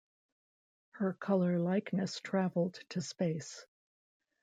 Her color likeness traveled to space.